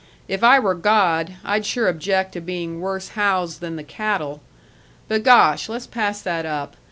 If I were God, I'd sure object to being worse housed than the cattle. But, gosh! let's pass that up.